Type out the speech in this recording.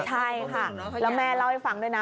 ใช่ค่ะแล้วแม่เล่าให้ฟังด้วยนะ